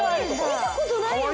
見たことないよ